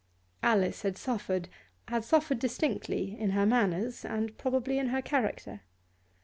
Alice had suffered, had suffered distinctly, in her manners, and probably in her character.